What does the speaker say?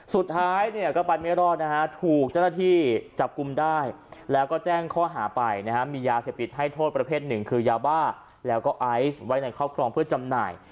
สุดท้ายเนี่ยก็ไปไม่รอดนะฮะถูกเจ้าหน้าที่จับกลุ่มได้แล้วก็แจ้งข้อหาไปนะฮะมียาเสพติดให้โทษประเภทหนึ่งคือยาบ้าแล้วก็ไอซ์ไว้ในครอบครองเพื่อจำหน่าย